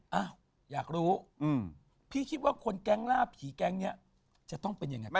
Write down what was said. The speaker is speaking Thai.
อ้าวอยากรู้พี่คิดว่าคนแก๊งล่าผีแก๊งนี้จะต้องเป็นยังไงบ้าง